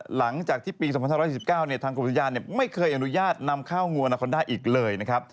หลังจากที่ปี๒๕๑๙ทางกรมอุทยานไม่เคยอนุญาตนำข้าวงัวนาคอนด้าอีกเลยนะครับ